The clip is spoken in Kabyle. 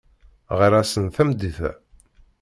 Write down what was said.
Ɣer-asen tameddit-a.